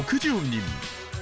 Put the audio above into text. ６０人？